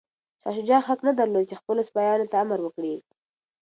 شاه شجاع حق نه درلود چي خپلو سپایانو ته امر وکړي.